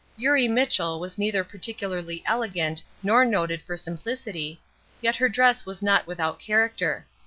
Eurie Mitchell was neither particularly elegant nor noted for simplicity, yet her dress was not without character.